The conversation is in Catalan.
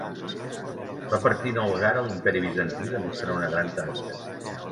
Va partir en algara a l'imperi Bizantí demostrant una gran temeritat.